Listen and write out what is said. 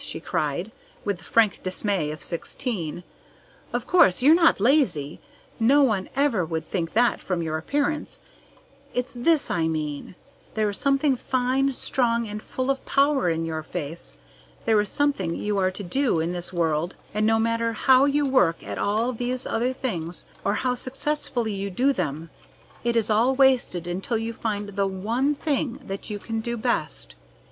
she cried, with the frank dismay of sixteen. "Of course, you're not lazy! No one ever would think that from your appearance. It's this I mean: there is something fine, strong, and full of power in your face. There is something you are to do in this world, and no matter how you work at all these other things, or how successfully you do them, it is all wasted until you find the ONE THING that you can do best.